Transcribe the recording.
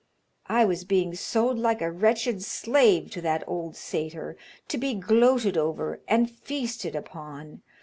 I was being sold like a wretched slave to that old satyr, to be gloated over and feasted upon.